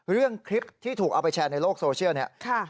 เรื่องคลิปที่ถูกเอาไปแชร์ในโลกโซเชียลเนี่ย